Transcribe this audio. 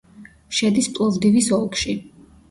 შედის პლოვდივის ოლქში.